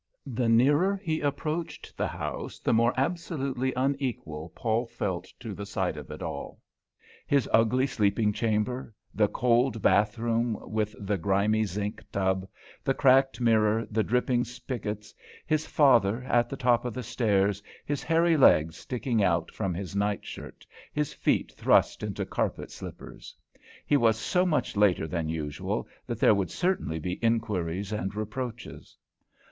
The nearer he approached the house, the more absolutely unequal Paul felt to the sight of it all; his ugly sleeping chamber; the cold bath room with the grimy zinc tub, the cracked mirror, the dripping spiggots; his father, at the top of the stairs, his hairy legs sticking out from his nightshirt, his feet thrust into carpet slippers. He was so much later than usual that there would certainly be inquiries and reproaches.